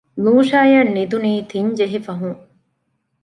ލޫޝާއަށް ނިދުނީ ތިން ޖެހިފަހުން